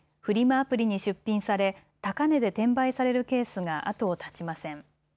アプリに出品され高値で転売されるケースが後を絶ちません。